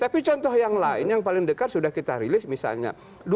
tapi contoh yang lain yang paling dekat sudah kita rilis misalnya